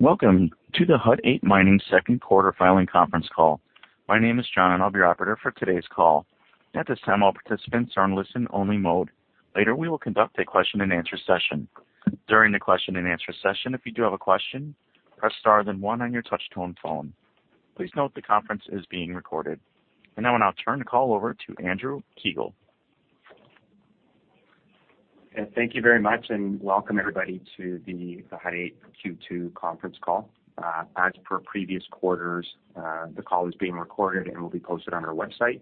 Welcome to the Hut 8 Mining second quarter filing conference call. My name is John, and I'll be your operator for today's call. At this time, all participants are in listen-only mode. Later, we will conduct a question and answer session. During the question and answer session, if you do have a question, press star then one on your touch-tone phone. Please note the conference is being recorded. Now I'll now turn the call over to Andrew Kiguel. Thank you very much, Welcome everybody to the Hut 8 Q2 conference call. As per previous quarters, the call is being recorded and will be posted on our website.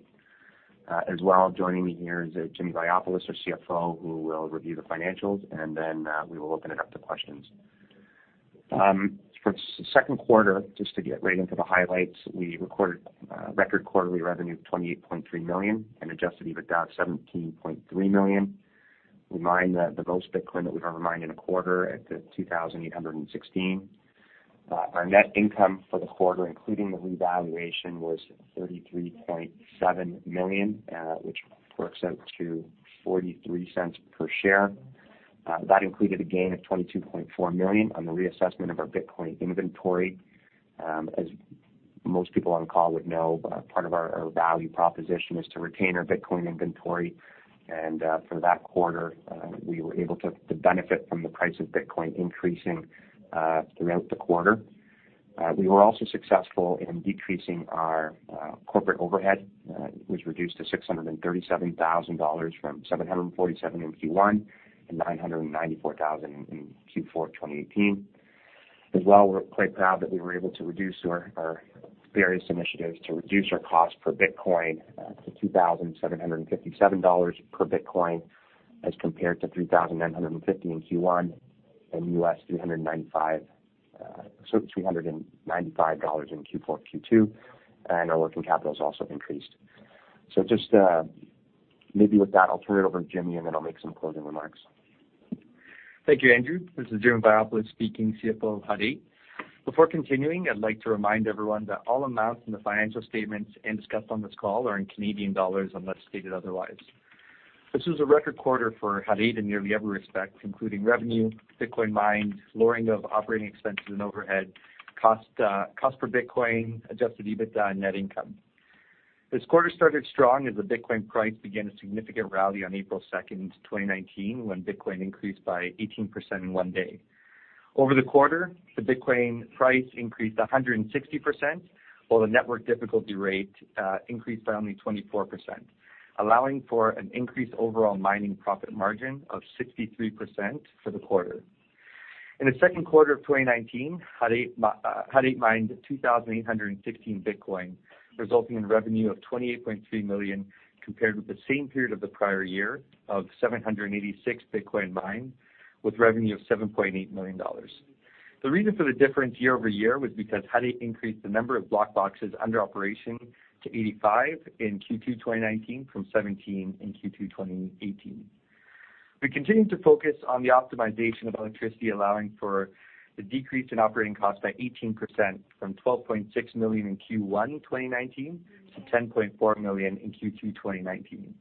As well, joining me here is Jimmy Vaiopoulos, our CFO, who will review the financials, and then we will open it up to questions. For the second quarter, just to get right into the highlights, we recorded record quarterly revenue of 28.3 million and adjusted EBITDA of 17.3 million. We mined the most Bitcoin that we've ever mined in a quarter at 2,816. Our net income for the quarter, including the revaluation, was 33.7 million, which works out to 0.43 per share. That included a gain of 22.4 million on the reassessment of our Bitcoin inventory. As most people on the call would know, part of our value proposition is to retain our Bitcoin inventory. For that quarter, we were able to benefit from the price of Bitcoin increasing throughout the quarter. We were also successful in decreasing our corporate overhead. It was reduced to 637,000 dollars from 747,000 in Q1 and 994,000 in Q4 2018. We're quite proud that we were able to reduce our various initiatives to reduce our cost per Bitcoin to 2,757 dollars per Bitcoin as compared to 3,950 in Q1 and US $3,950 in Q4, Q2, our working capital has also increased. Just maybe with that, I'll turn it over to Jimmy, I'll make some closing remarks. Thank you, Andrew. This is Jimmy Vaiopoulos speaking, CFO of Hut 8. Before continuing, I'd like to remind everyone that all amounts in the financial statements and discussed on this call are in CAD, unless stated otherwise. This was a record quarter for Hut 8 in nearly every respect, including revenue, Bitcoin mined, lowering of operating expenses and overhead, cost per Bitcoin, adjusted EBITDA, and net income. This quarter started strong as the Bitcoin price began a significant rally on April 2nd, 2019, when Bitcoin increased by 18% in one day. Over the quarter, the Bitcoin price increased 160%, while the network difficulty increased by only 24%, allowing for an increased overall mining profit margin of 63% for the quarter. In the second quarter of 2019, Hut 8 mined 2,816 Bitcoin, resulting in revenue of $28.3 million, compared with the same period of the prior year of 786 Bitcoin mined with revenue of $7.8 million. The reason for the difference year-over-year was because Hut 8 increased the number of BlockBox under operation to 85 in Q2 2019 from 17 in Q2 2018. We continued to focus on the optimization of electricity, allowing for the decrease in operating cost by 18%, from $12.6 million in Q1 2019 to $10.4 million in Q2 2019.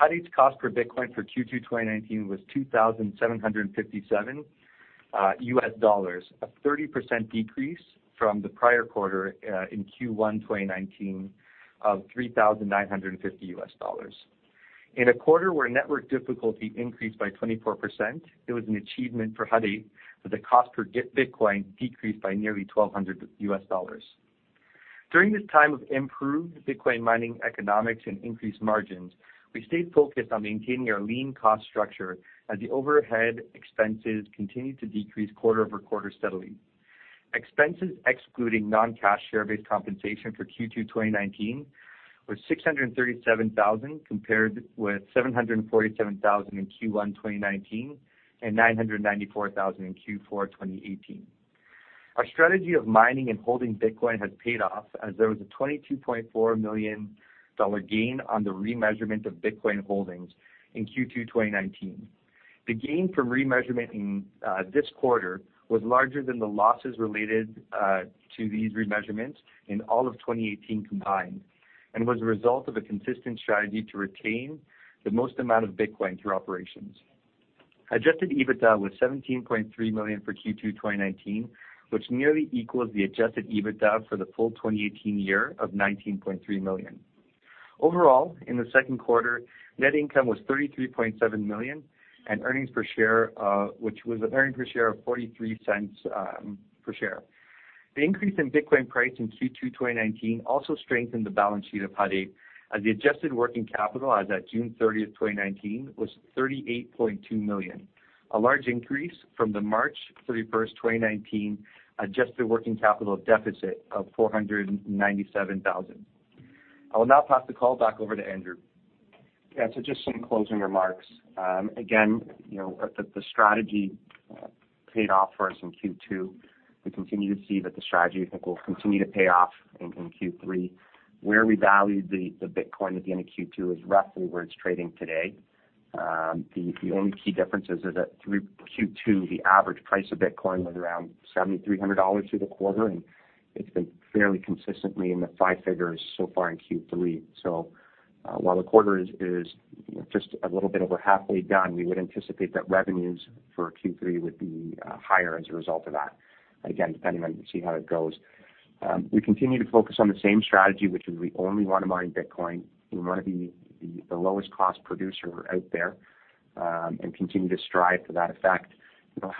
Hut 8's cost per Bitcoin for Q2 2019 was $2,757, a 30% decrease from the prior quarter in Q1 2019 of $3,950. In a quarter where network difficulty increased by 24%, it was an achievement for Hut 8 that the cost per Bitcoin decreased by nearly $1,200. During this time of improved Bitcoin mining economics and increased margins, we stayed focused on maintaining our lean cost structure as the overhead expenses continued to decrease quarter-over-quarter steadily. Expenses excluding non-cash share-based compensation for Q2 2019 were 637,000, compared with 747,000 in Q1 2019 and 994,000 in Q4 2018. Our strategy of mining and holding Bitcoin has paid off as there was a 22.4 million dollar gain on the remeasurement of Bitcoin holdings in Q2 2019. The gain from remeasurement in this quarter was larger than the losses related to these remeasurements in all of 2018 combined and was a result of a consistent strategy to retain the most amount of Bitcoin through operations. Adjusted EBITDA was 17.3 million for Q2 2019, which nearly equals the adjusted EBITDA for the full 2018 year of 19.3 million. Overall, in the second quarter, net income was 33.7 million, which was an earnings per share of 0.43 per share. The increase in Bitcoin price in Q2 2019 also strengthened the balance sheet of Hut 8, as the adjusted working capital as at June 30th, 2019 was 38.2 million, a large increase from the March 31st, 2019 adjusted working capital deficit of 497,000. I will now pass the call back over to Andrew. Just some closing remarks. The strategy paid off for us in Q2. We continue to see that the strategy, I think, will continue to pay off in Q3. Where we valued the Bitcoin at the end of Q2 is roughly where it's trading today. The only key differences is that through Q2, the average price of Bitcoin was around $7,300 through the quarter, and it's been fairly consistently in the five figures so far in Q3. While the quarter is just a little bit over halfway done, we would anticipate that revenues for Q3 would be higher as a result of that. We see how it goes. We continue to focus on the same strategy, which is we only want to mine Bitcoin. We want to be the lowest cost producer out there, and continue to strive for that effect. As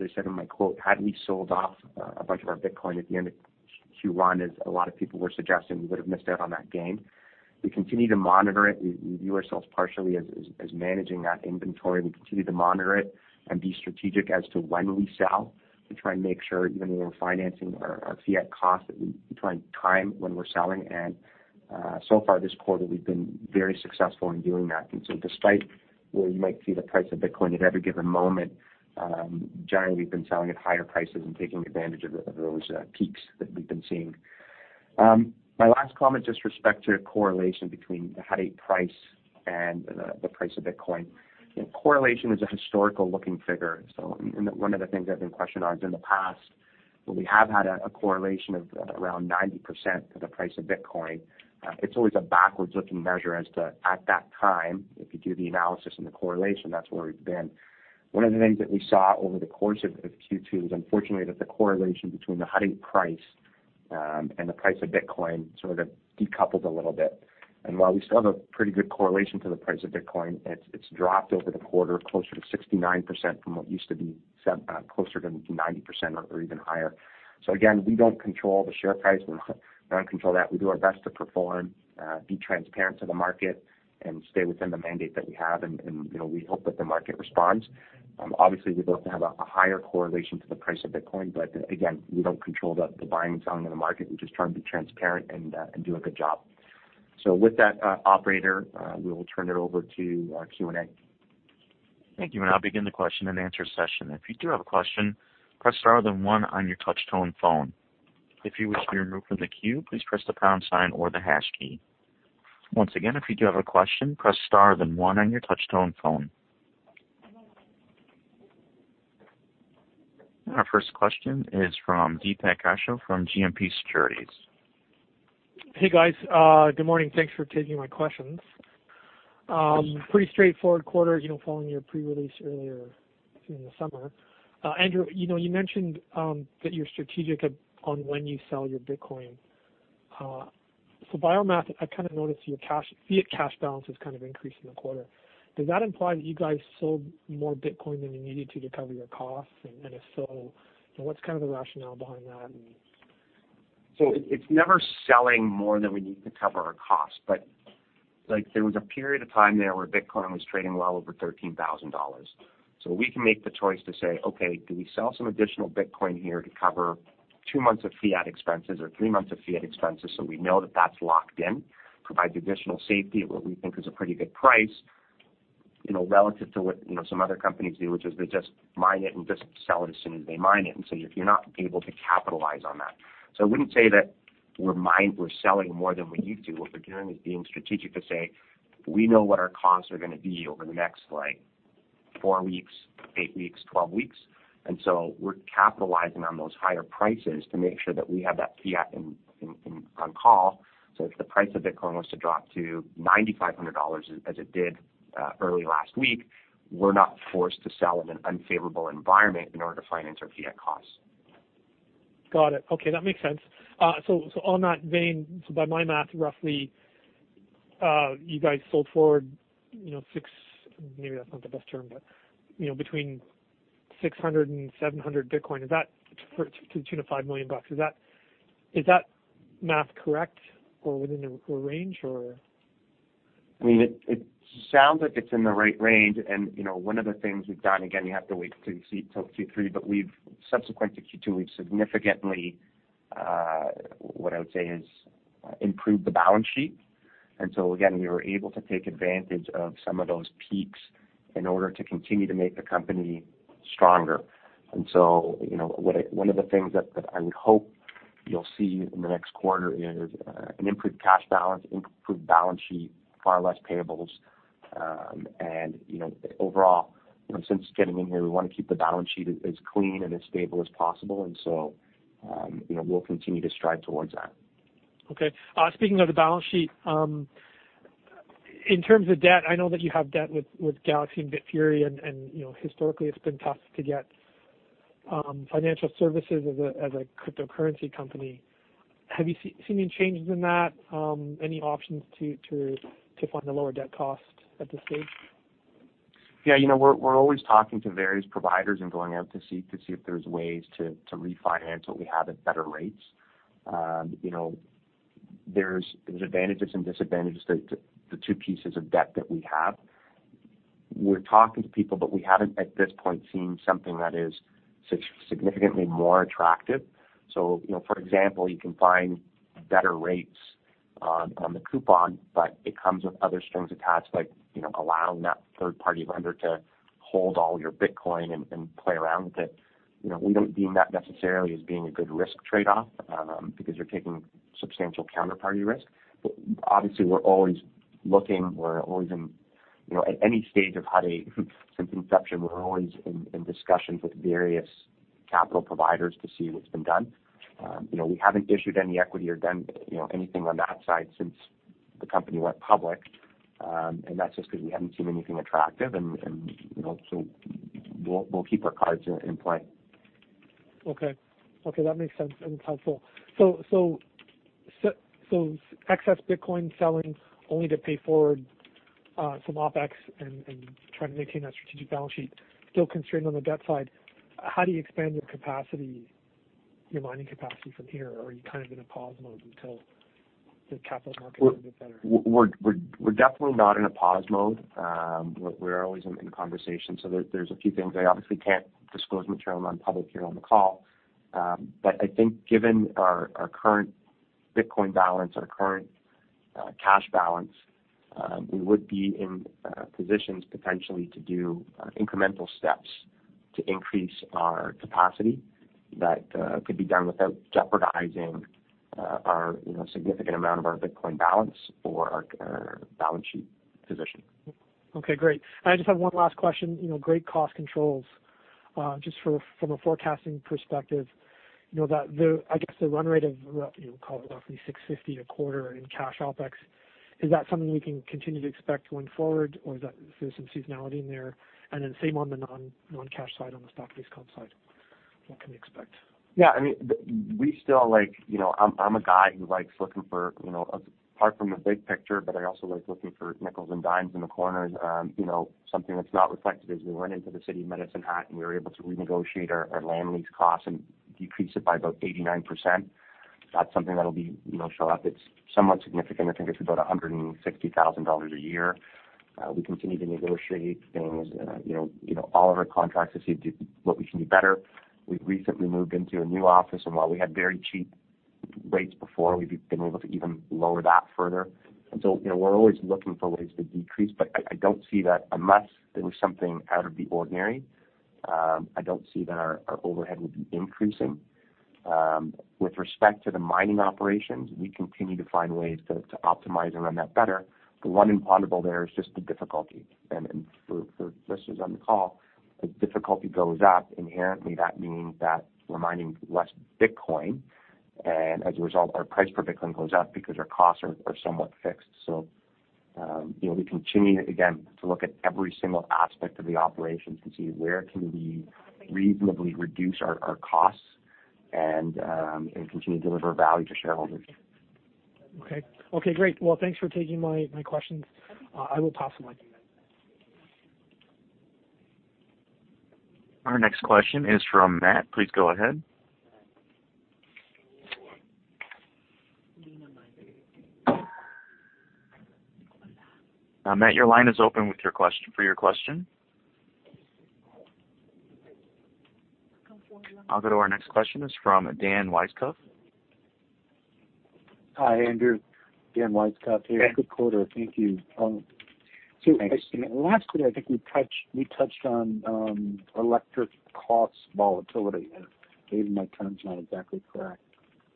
I said in my quote, had we sold off a bunch of our Bitcoin at the end of Q1 as a lot of people were suggesting, we would've missed out on that gain. We continue to monitor it. We view ourselves partially as managing that inventory. We continue to monitor it and be strategic as to when we sell to try and make sure even when we're financing our fiat cost, that we try and time when we're selling. So far this quarter, we've been very successful in doing that. So despite where you might see the price of Bitcoin at every given moment, generally, we've been selling at higher prices and taking advantage of those peaks that we've been seeing. My last comment, just with respect to correlation between the Hut 8 price and the price of Bitcoin. Correlation is a historical-looking figure. One of the things I've been questioned on is in the past, when we have had a correlation of around 90% for the price of Bitcoin, it's always a backwards-looking measure as to, at that time, if you do the analysis and the correlation, that's where we've been. One of the things that we saw over the course of Q2 is unfortunately, that the correlation between the Hut 8 price and the price of Bitcoin sort of decoupled a little bit. While we still have a pretty good correlation to the price of Bitcoin, it's dropped over the quarter closer to 69% from what used to be closer to 90% or even higher. Again, we don't control the share price. We don't control that. We do our best to perform, be transparent to the market, and stay within the mandate that we have. We hope that the market responds. Obviously, we'd love to have a higher correlation to the price of Bitcoin, but again, we don't control the buying and selling of the market. We're just trying to be transparent and do a good job. With that, Operator, we will turn it over to our Q&A. Thank you. I'll begin the question and answer session. If you do have a question, press star then one on your touch-tone phone. If you wish to be removed from the queue, please press the pound sign or the hash key. Once again, if you do have a question, press star then one on your touch-tone phone. Our first question is from Deepak Kaushal from GMP Securities. Hey, guys. Good morning. Thanks for taking my questions. Sure. Pretty straightforward quarter following your pre-release earlier in the summer. Andrew, you mentioned that you're strategic on when you sell your Bitcoin. By all math, I kind of noticed your fiat cash balance has kind of increased in the quarter. Does that imply that you guys sold more Bitcoin than you needed to cover your costs? If so, what's the rationale behind that? It's never selling more than we need to cover our costs. There was a period of time there where Bitcoin was trading well over 13,000 dollars. We can make the choice to say, "Okay, do we sell some additional Bitcoin here to cover two months of fiat expenses or three months of fiat expenses so we know that that's locked in?" Provide the additional safety at what we think is a pretty good price, relative to what some other companies do, which is they just mine it and just sell it as soon as they mine it. You're not able to capitalize on that. I wouldn't say that we're selling more than we need to. What we're doing is being strategic to say we know what our costs are going to be over the next four weeks, eight weeks, 12 weeks, we're capitalizing on those higher prices to make sure that we have that fiat on call. If the price of Bitcoin was to drop to $9,500 as it did early last week, we're not forced to sell in an unfavorable environment in order to finance our fiat costs. Got it. Okay. That makes sense. On that vein, so by my math, roughly, you guys sold forward, maybe that's not the best term, but between 600 and 700 Bitcoin. Between the 5 million bucks. Is that math correct or within the core range? It sounds like it's in the right range, and one of the things we've done, again, you have to wait till you see Q3, but subsequent to Q2, we've significantly, what I would say is, improved the balance sheet. Again, we were able to take advantage of some of those peaks in order to continue to make the company stronger. One of the things that I would hope you'll see in the next quarter is an improved cash balance, improved balance sheet, far less payables. Overall, since getting in here, we want to keep the balance sheet as clean and as stable as possible. We'll continue to strive towards that. Okay. Speaking of the balance sheet, in terms of debt, I know that you have debt with Galaxy and Bitfury, and historically, it's been tough to get financial services as a cryptocurrency company. Have you seen any changes in that? Any options to fund the lower debt cost at this stage? Yeah. We're always talking to various providers and going out to see if there's ways to refinance what we have at better rates. There's advantages and disadvantages to the two pieces of debt that we have. We're talking to people, but we haven't, at this point, seen something that is significantly more attractive. For example, you can find better rates on the coupon, but it comes with other strings attached, like allowing that third-party lender to hold all your Bitcoin and play around with it. We don't deem that necessarily as being a good risk trade-off, because you're taking substantial counterparty risk. Obviously, we're always looking. At any stage of Hut 8, since inception, we're always in discussions with various capital providers to see what's been done. We haven't issued any equity or done anything on that side since the company went public. That's just because we haven't seen anything attractive, and so we'll keep our cards in play. Okay. That makes sense and helpful. Excess Bitcoin selling only to pay forward some OpEx and trying to maintain that strategic balance sheet, still constrained on the debt side. How do you expand your mining capacity from here? Are you kind of in a pause mode until the capital markets get a bit better? We're definitely not in a pause mode. We're always in conversation. There's a few things I obviously can't disclose material non-public here on the call. I think given our current Bitcoin balance, our current cash balance, we would be in positions potentially to do incremental steps to increase our capacity that could be done without jeopardizing a significant amount of our Bitcoin balance or our balance sheet position. Okay, great. I just have one last question. Great cost controls. Just from a forecasting perspective, I guess the run rate of roughly 650,000 a quarter in cash OpEx, is that something we can continue to expect going forward, or is there some seasonality in there? Then same on the non-cash side, on the stock-based comp side, what can we expect? Yeah, I'm a guy who likes looking for, apart from the big picture, but I also like looking for nickels and dimes in the corners. Something that's not reflected is we went into the City of Medicine Hat, and we were able to renegotiate our land lease costs and decrease it by about 89%. That's something that'll show up. It's somewhat significant. I think it's about 160,000 dollars a year. We continue to negotiate things, all of our contracts to see what we can do better. We've recently moved into a new office, and while we had very cheap rates before, we've been able to even lower that further. We're always looking for ways to decrease, but I don't see that, unless there was something out of the ordinary, I don't see that our overhead would be increasing. With respect to the mining operations, we continue to find ways to optimize and run that better. The one there is just the difficulty. For listeners on the call, if difficulty goes up, inherently that means that we're mining less Bitcoin, and as a result, our price per Bitcoin goes up because our costs are somewhat fixed. We continue, again, to look at every single aspect of the operations to see where can we reasonably reduce our costs and continue to deliver value to shareholders. Okay. Great. Well, thanks for taking my questions. I will pass them on. Our next question is from Matt. Please go ahead. Matt, your line is open for your question. I'll go to our next question, it's from Dan Weiskopf. Hi, Andrew. Dan Weiskopf here. Dan. Good quarter. Thank you. Thanks. Last quarter, I think we touched on electric cost volatility. Maybe my term's not exactly correct.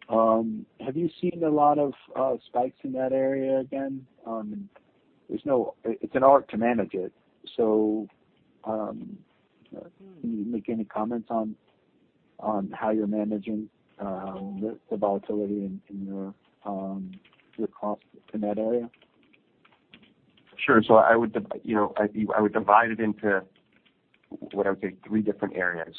Have you seen a lot of spikes in that area again? It's an art to manage it, so can you make any comments on how you're managing the volatility in your cost in that area? Sure. I would divide it into, what I would say, three different areas.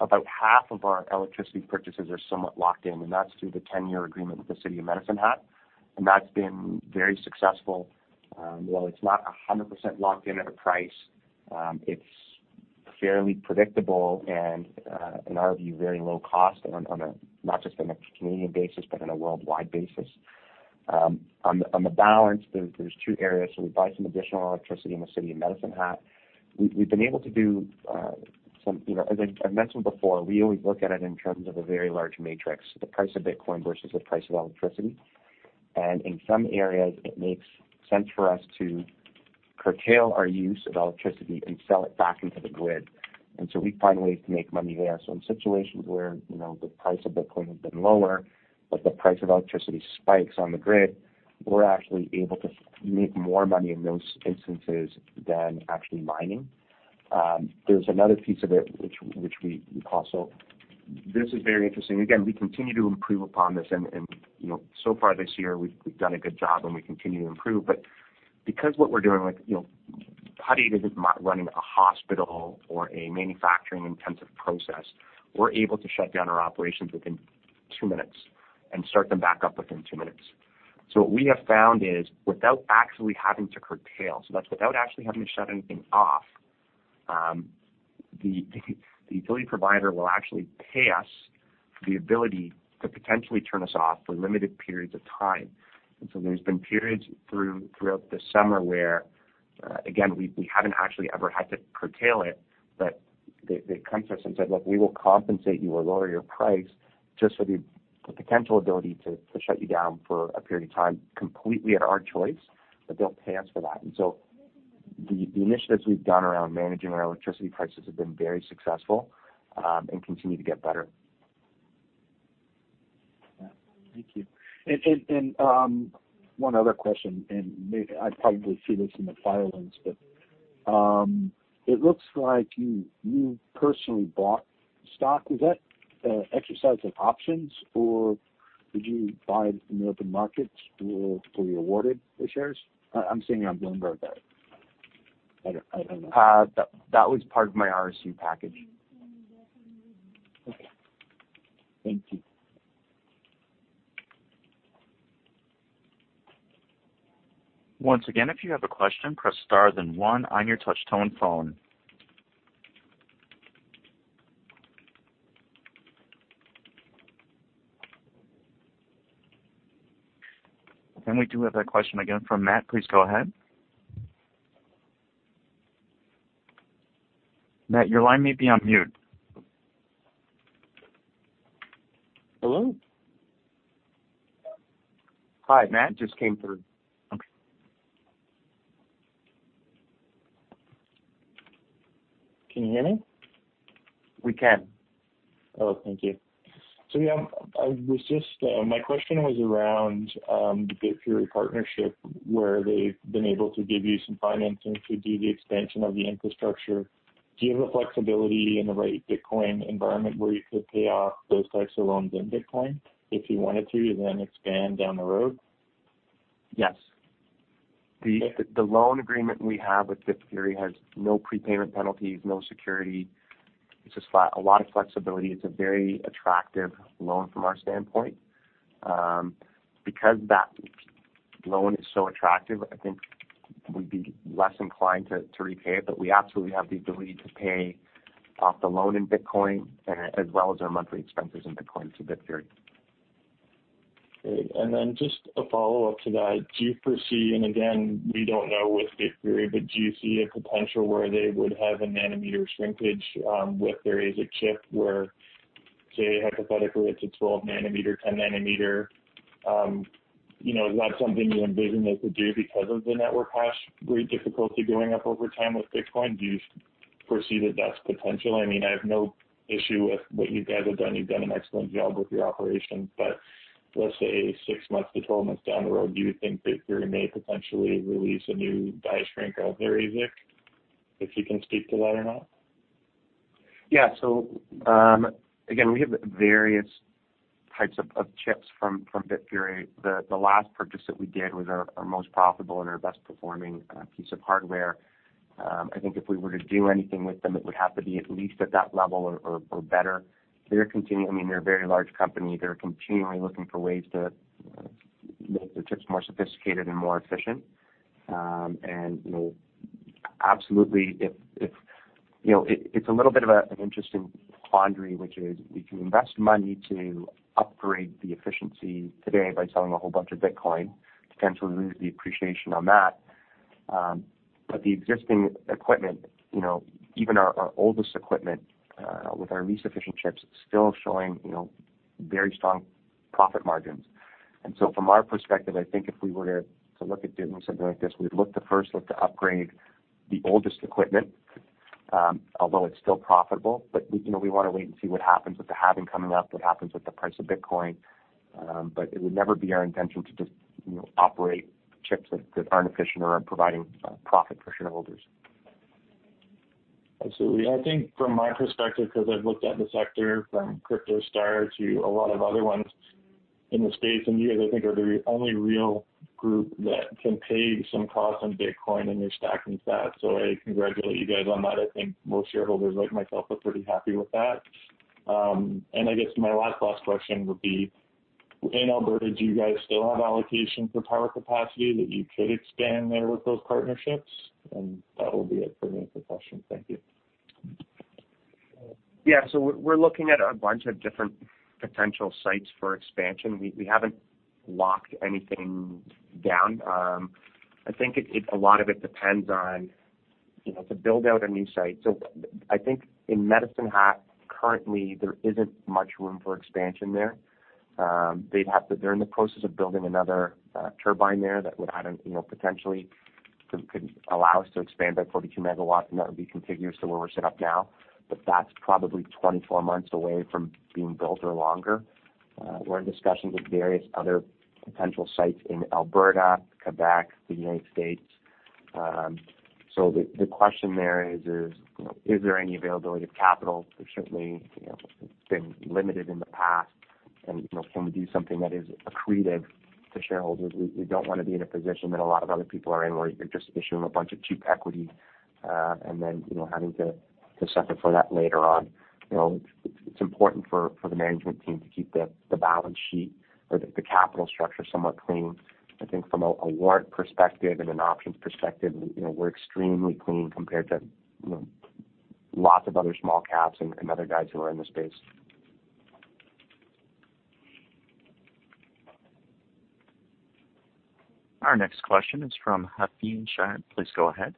About half of our electricity purchases are somewhat locked in, and that's through the 10-year agreement with the City of Medicine Hat, and that's been very successful. While it's not 100% locked in at a price, it's fairly predictable and, in our view, very low cost, not just on a Canadian basis, but on a worldwide basis. On the balance, there's two areas. We buy some additional electricity in the City of Medicine Hat. As I've mentioned before, we always look at it in terms of a very large matrix, the price of Bitcoin versus the price of electricity. In some areas, it makes sense for us to curtail our use of electricity and sell it back into the grid. We find ways to make money there. In situations where the price of Bitcoin has been lower, but the price of electricity spikes on the grid, we're actually able to make more money in those instances than actually mining. There's another piece of it, which we call. This is very interesting. Again, we continue to improve upon this. So far this year, we've done a good job and we continue to improve. Because what we're doing, Hut 8 isn't running a hospital or a manufacturing-intensive process. We're able to shut down our operations within two minutes and start them back up within two minutes. What we have found is, without actually having to curtail, so that's without actually having to shut anything off, the utility provider will actually pay us for the ability to potentially turn us off for limited periods of time. There's been periods throughout the summer where, again, we haven't actually ever had to curtail it, but they've come to us and said, "Look, we will compensate you or lower your price just for the potential ability to shut you down for a period of time completely at our choice." They'll pay us for that. The initiatives we've done around managing our electricity prices have been very successful, and continue to get better. Thank you. One other question, maybe I probably see this in the filings, but it looks like you personally bought stock. Is that exercise of options, or did you buy in the open markets? Were you awarded the shares? I'm seeing it on Bloomberg, but I don't know. That was part of my RSU package. Okay. Thank you. Once again, if you have a question, press star then one on your touch-tone phone. We do have that question again from Matt. Please go ahead. Matt, your line may be on mute. Hello? Hi, Matt just came through. Okay. Can you hear me? We can. Oh, thank you. Yeah, my question was around the Bitfury partnership, where they've been able to give you some financing to do the expansion of the infrastructure. Do you have the flexibility in the right Bitcoin environment where you could pay off those types of loans in Bitcoin if you wanted to, and then expand down the road? Yes. The loan agreement we have with Bitfury has no prepayment penalties, no security. It's just a lot of flexibility. It's a very attractive loan from our standpoint. Because that loan is so attractive, I think we'd be less inclined to repay it. But we absolutely have the ability to pay off the loan in Bitcoin, as well as our monthly expenses in Bitcoin to Bitfury. Great. Then just a follow-up to that, do you foresee, and again, we don't know with Bitfury, but do you see a potential where they would have a nanometer shrinkage with their ASIC chip where, say hypothetically, it's a 12 nanometer, 10 nanometer? Is that something you envision they could do because of the network hash rate difficulty going up over time with Bitcoin? Do you foresee that that's potential? I have no issue with what you guys have done. You've done an excellent job with your operations. Let's say 6-12 months down the road, do you think Bitfury may potentially release a new die shrink of their ASIC? If you can speak to that or not. Yeah. Again, we have various types of chips from Bitfury. The last purchase that we did was our most profitable and our best performing piece of hardware. I think if we were to do anything with them, it would have to be at least at that level or better. They're a very large company. They're continually looking for ways to make the chips more sophisticated and more efficient. Absolutely, it's a little bit of an interesting quandary, which is we can invest money to upgrade the efficiency today by selling a whole bunch of Bitcoin, potentially lose the appreciation on that. The existing equipment, even our oldest equipment with our least efficient chips, still showing very strong profit margins. From our perspective, I think if we were to look at doing something like this, we'd look to first look to upgrade the oldest equipment, although it's still profitable. We want to wait and see what happens with the halving coming up, what happens with the price of Bitcoin. It would never be our intention to just operate chips that aren't efficient or aren't providing profit for shareholders. Absolutely. I think from my perspective, because I've looked at the sector from CryptoStar to a lot of other ones in the U.S., you guys, I think, are the only real group that can pay some costs in Bitcoin and you're stacking sats. I congratulate you guys on that. I think most shareholders like myself are pretty happy with that. I guess my last question would be, in Alberta, do you guys still have allocation for power capacity that you could expand there with those partnerships? That will be it for me for questions. Thank you. Yeah. We're looking at a bunch of different potential sites for expansion. We haven't locked anything down. I think a lot of it depends on to build out a new site. I think in Medicine Hat, currently, there isn't much room for expansion there. They're in the process of building another turbine there that potentially could allow us to expand by 42 MW, and that would be contiguous to where we're set up now. That's probably 24 months away from being built or longer. We're in discussions with various other potential sites in Alberta, Quebec, the U.S. The question there is there any availability of capital? There certainly has been limited in the past. Can we do something that is accretive to shareholders? We don't want to be in a position that a lot of other people are in, where you're just issuing a bunch of cheap equity and then having to suffer for that later on. It's important for the management team to keep the balance sheet or the capital structure somewhat clean. I think from a warrant perspective and an options perspective, we're extremely clean compared to lots of other small caps and other guys who are in the space. Our next question is from Hafin Shah. Please go ahead.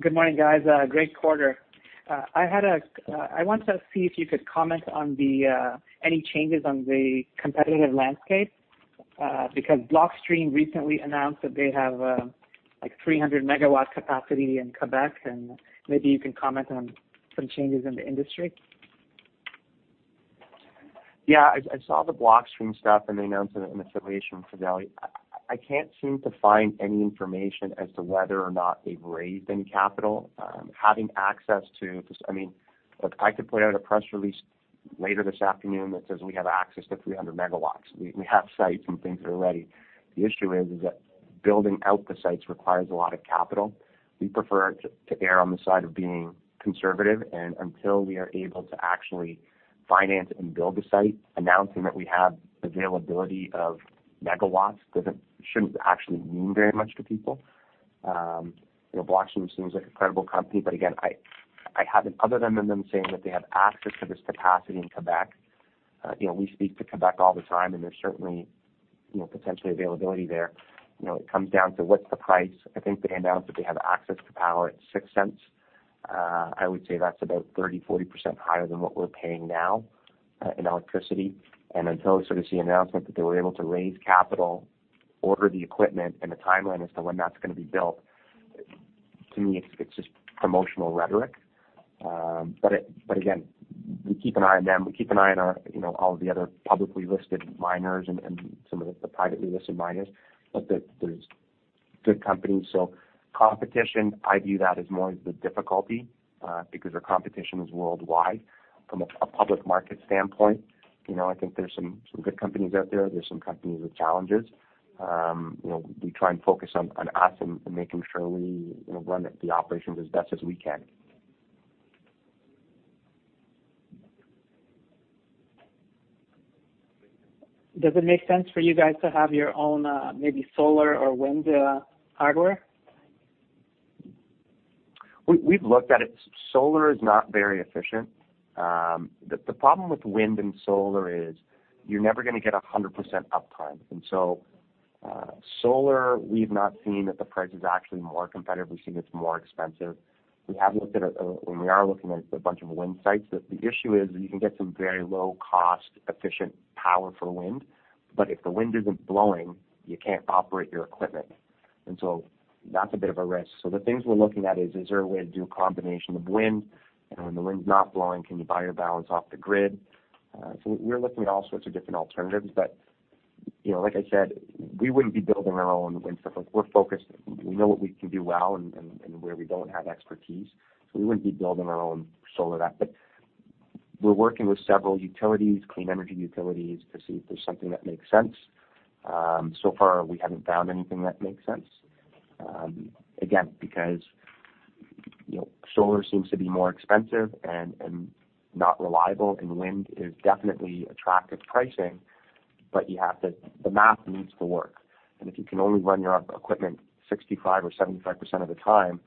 Good morning, guys. Great quarter. I want to see if you could comment on any changes on the competitive landscape. Because Blockstream recently announced that they have like 300 MW capacity in Quebec, and maybe you can comment on some changes in the industry. Yeah, I saw the Blockstream stuff, and they announced an affiliation with Fidelity. I can't seem to find any information as to whether or not they've raised any capital. Look, I could put out a press release later this afternoon that says we have access to 300 megawatts. We have sites and things that are ready. The issue is that building out the sites requires a lot of capital. We prefer to err on the side of being conservative, and until we are able to actually finance and build a site, announcing that we have availability of megawatts shouldn't actually mean very much to people. Blockstream seems like a credible company, but again, other than them saying that they have access to this capacity in Quebec, we speak to Quebec all the time, and there's certainly potentially availability there. It comes down to what's the price. I think they announced that they have access to power at 0.06. I would say that's about 30%-40% higher than what we're paying now in electricity. Until we see an announcement that they were able to raise capital, order the equipment, and the timeline as to when that's going to be built, to me, it's just promotional rhetoric. Again, we keep an eye on them. We keep an eye on all of the other publicly listed miners and some of the privately listed miners. There's good companies. Competition, I view that as more as the difficulty because our competition is worldwide from a public market standpoint. I think there's some good companies out there. There's some companies with challenges. We try and focus on us and making sure we run the operations as best as we can. Does it make sense for you guys to have your own maybe solar or wind hardware? We've looked at it. Solar is not very efficient. The problem with wind and solar is you're never going to get 100% uptime. Solar, we've not seen that the price is actually more competitive. We've seen it's more expensive. We have looked at, and we are looking at a bunch of wind sites. The issue is you can get some very low-cost, efficient power for wind, but if the wind isn't blowing, you can't operate your equipment, and so that's a bit of a risk. The things we're looking at is there a way to do a combination of wind? When the wind's not blowing, can you buy your balance off the grid? We're looking at all sorts of different alternatives, but like I said, we wouldn't be building our own wind stuff. We know what we can do well and where we don't have expertise, so we wouldn't be building our own solar. We're working with several utilities, clean energy utilities, to see if there's something that makes sense. So far, we haven't found anything that makes sense. Again, because solar seems to be more expensive and not reliable, and wind is definitely attractive pricing, but the math needs to work. If you can only run your equipment 65% or 75% of the time,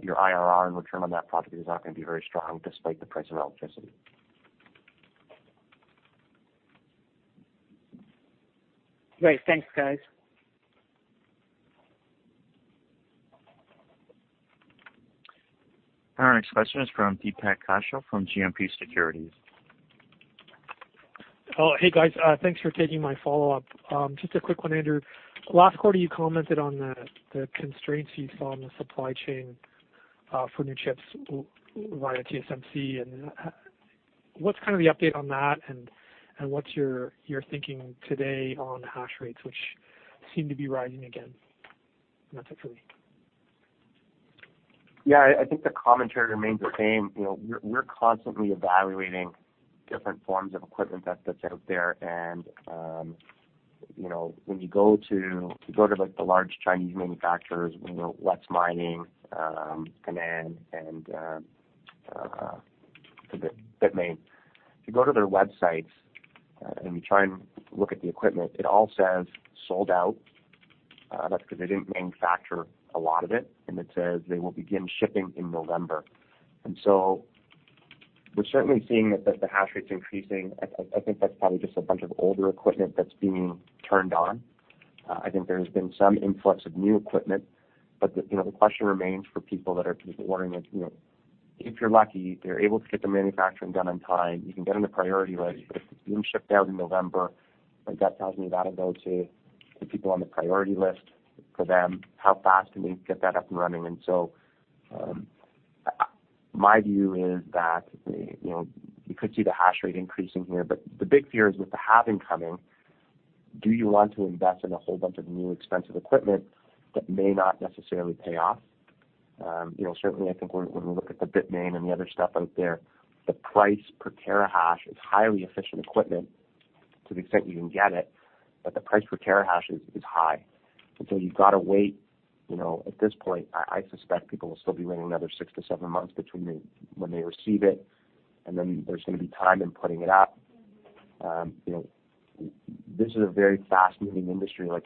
your IRR and return on that property is not going to be very strong despite the price of electricity. Great. Thanks, guys. Our next question is from Deepak Kaushal from GMP Securities. Hey, guys. Thanks for taking my follow-up. Just a quick one, Andrew. Last quarter, you commented on the constraints you saw on the supply chain for new chips via TSMC, and what's kind of the update on that, and what's your thinking today on hash rates, which seem to be rising again? That's it for me. Yeah, I think the commentary remains the same. We're constantly evaluating different forms of equipment that's out there, when you go to the large Chinese manufacturers, whether Whatsminer, Canaan, and Bitmain. If you go to their websites, and you try and look at the equipment, it all says, "Sold out." That's because they didn't manufacture a lot of it, and it says they will begin shipping in November. We're certainly seeing that the hash rate's increasing. I think that's probably just a bunch of older equipment that's being turned on. I think there's been some influx of new equipment, the question remains for people that are wondering if you're lucky, they're able to get the manufacturing done on time. You can get on the priority list, but if it's being shipped out in November, that tells me that'll go to the people on the priority list for them. How fast can we get that up and running? My view is that you could see the hash rate increasing here, but the big fear is with the halving coming, do you want to invest in a whole bunch of new expensive equipment that may not necessarily pay off? Certainly, I think when we look at the Bitmain and the other stuff out there, the price per terahash is highly efficient equipment to the extent you can get it, but the price per terahash is high, and so you've got to wait. At this point, I suspect people will still be waiting another 6 to 7 months between when they receive it, and then there's going to be time in putting it up.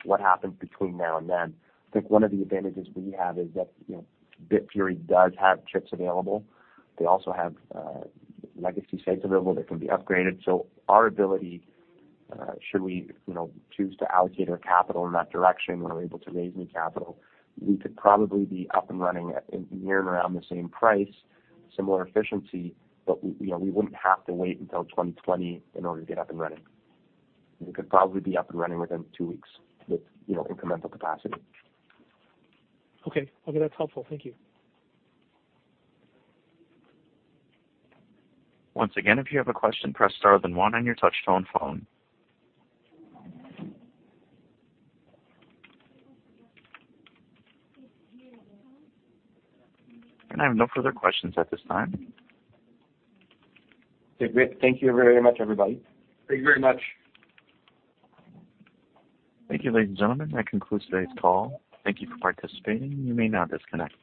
What happens between now and then? I think one of the advantages we have is that Bitfury does have chips available. They also have legacy sites available that can be upgraded. Our ability, should we choose to allocate our capital in that direction, when we're able to raise new capital, we could probably be up and running near and around the same price, similar efficiency, but we wouldn't have to wait until 2020 in order to get up and running. We could probably be up and running within 2 weeks with incremental capacity. Okay. That's helpful. Thank you. Once again, if you have a question, press star then one on your touchtone phone. I have no further questions at this time. Okay, great. Thank you very much, everybody. Thank you very much. Thank you, ladies and gentlemen. That concludes today's call. Thank you for participating. You may now disconnect.